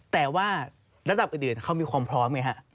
แต่ว่าระดับอื่นเขามีความพร้อมไงฮะ